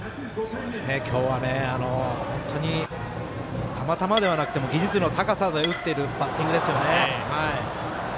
今日は本当にたまたまではなくて技術の高さで打ってるバッティングですよね。